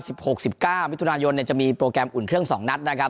หกสิบเก้ามิถุนายนเนี่ยจะมีโปรแกรมอุ่นเครื่องสองนัดนะครับ